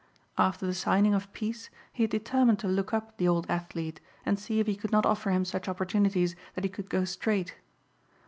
After the signing of peace he had determined to look up the old athlete and see if he could not offer him such opportunities that he could go straight.